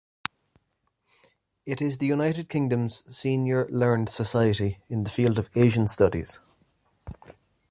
It is the United Kingdom's senior learned society in the field of Asian studies.